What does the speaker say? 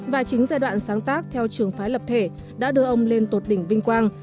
và chính giai đoạn sáng tác theo trường phái lập thể đã đưa ông lên tột đỉnh vinh quang